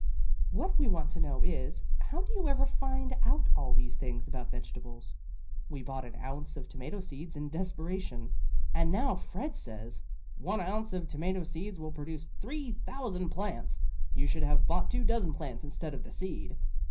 What we want to know is, How do you ever find out all these things about vegetables? We bought an ounce of tomato seeds in desperation, and now Fred says "one ounce of tomato seeds will produce 3,000 plants. You should have bought two dozen plants instead of the seed."